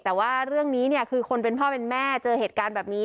แต่ว่าเรื่องนี้เนี่ยคือคนเป็นพ่อเป็นแม่เจอเหตุการณ์แบบนี้